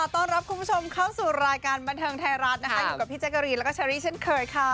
ต้อนรับคุณผู้ชมเข้าสู่รายการบันเทิงไทยรัฐนะคะอยู่กับพี่แจ๊กกะรีนแล้วก็เชอรี่เช่นเคยค่ะ